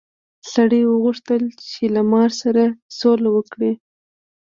سړي وغوښتل چې له مار سره سوله وکړي.